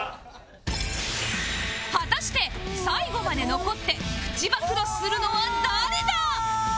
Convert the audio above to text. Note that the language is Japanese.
果たして最後まで残ってプチ暴露するのは誰だ？